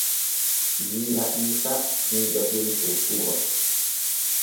Diina iisa himɓe ɓuri tokkugo.